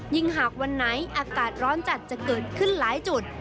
หากวันไหนอากาศร้อนจัดจะเกิดขึ้นหลายจุด